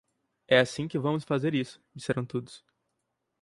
É assim que vamos fazer isso ", disseram todos.